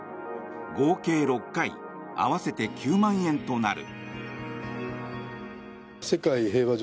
合計６回合わせて９万円となる。